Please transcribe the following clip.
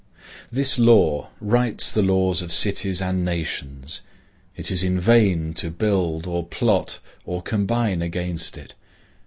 This law writes the laws of cities and nations. It is in vain to build or plot or combine against it.